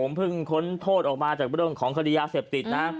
ผมเพิ่งค้นโทษออกมาจากบ้านของศัลยาเสพติศนะ